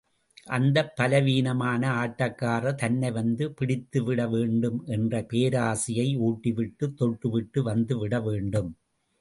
அந்த பலவீனமான ஆட்டக்காரர் தன்னை வந்து பிடித்துவிட வேண்டும் என்ற பேராசையை ஊட்டிவிட்டு, தொட்டுவிட்டு வந்துவிட வேண்டும்.